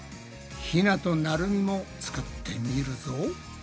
ひなとなるみも作ってみるぞ！